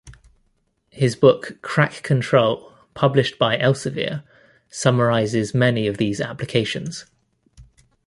His book "Crack Control" published by Elsevier summarizes many of these applications.